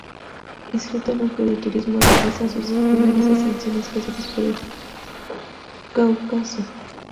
Inscrito en un club de turismo, realiza sus primeras ascensiones fáciles por el Cáucaso.